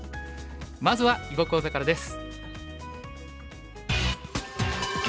まずは囲碁講座からです。